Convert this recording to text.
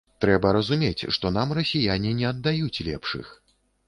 Трэба разумець, што нам расіяне не аддаюць лепшых.